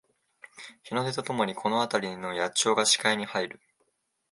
日の出とともにこのあたりの野鳥が視界に入る